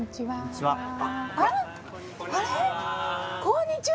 こんにちは。